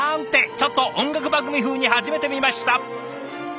ちょっと音楽番組風に始めてみました。